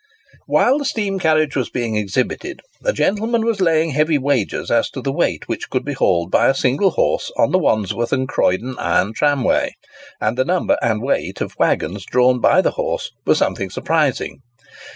While the steam carriage was being exhibited, a gentleman was laying heavy wagers as to the weight which could be hauled by a single horse on the Wandsworth and Croydon iron tramway; and the number and weight of waggons drawn by the horse were something surprising.